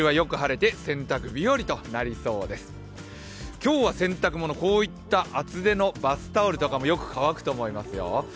今日は洗濯物、厚手のバスタオルとかもよく乾くと思いますよ。